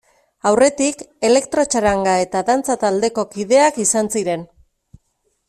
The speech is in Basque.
Aurretik, elektrotxaranga eta dantza taldeko kideak izan ziren.